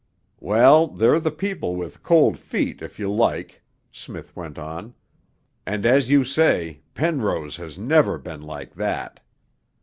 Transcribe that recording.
'Well, they're the people with "cold feet" if you like,' Smith went on, 'and as you say, Penrose has never been like that.